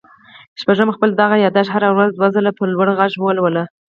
شپږم خپل دغه ياداښت هره ورځ دوه ځله په لوړ غږ ولولئ.